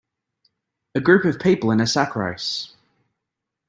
A group of people in a sack race.